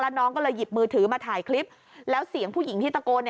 น้องก็เลยหยิบมือถือมาถ่ายคลิปแล้วเสียงผู้หญิงที่ตะโกน